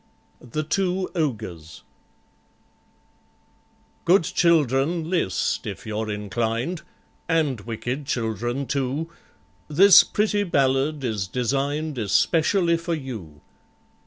THE TWO OGRES GOOD children, list, if you're inclined, And wicked children too— This pretty ballad is designed Especially for you.